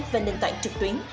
và nền tảng trực tuyến